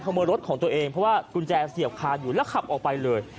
ขโมยรถของตัวเองเพราะว่ากุญแจเสียบคาอยู่แล้วขับออกไปเลย